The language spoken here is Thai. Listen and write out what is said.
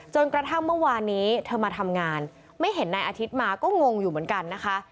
จนกระทั่งเมื่อวานนี้เธอมาทำงานไม่เห็นนายอาทิตย์มาก็งงอยู่เหมือนกันนะคะ